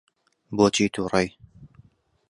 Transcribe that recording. بۆچی تووڕەی؟